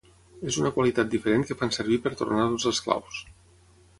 És una qualitat diferent que fan servir per tornar-nos esclaus.